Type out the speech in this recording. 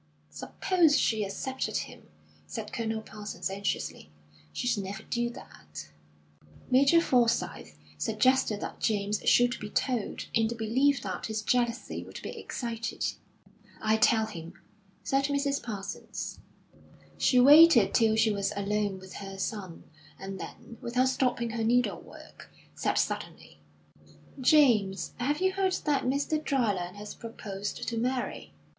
"Suppose she accepted him?" said Colonel Parsons, anxiously. "She'd never do that." Major Forsyth suggested that James should be told, in the belief that his jealousy would be excited. "I'll tell him," said Mrs. Parsons. She waited till she was alone with her son, and then, without stopping her needlework, said suddenly: "James, have you heard that Mr. Dryland has proposed to Mary?"